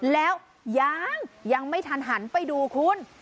แล้วยังยังไม่ทันหันไปดูคุณ